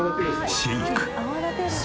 シェイク。